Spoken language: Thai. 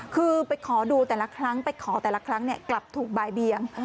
คือไปขอดูแต่ละครั้งไปขอแต่ละครั้งกลับถูกบายเบียง